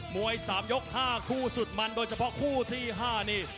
มวย๓ยก๕คู่สุดมันโดยเฉพาะคู่ที่๕นี่